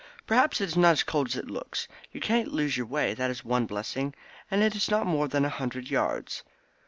"Perhaps it is not so cold as it looks. You can't lose your way, that is one blessing. And it is not more than a hundred yards."